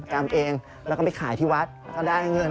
คือพอปิดเทอมอะไรอย่างเงี้ย